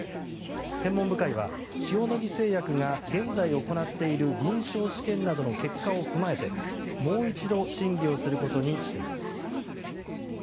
専門部会は塩野義製薬が現在行っている臨床試験などの結果を踏まえてもう一度審議をすることにしています。